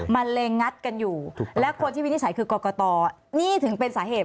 มันเล็งงัดกันอยู่และคนที่วินิจฉัยคือกรกตนี่ถึงเป็นสาเหตุ